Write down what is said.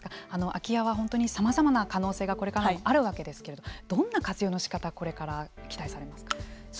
空き家は本当にさまざまな可能性がこれからもあるわけですけれどもどんな活用のしかたこれから期待されますか。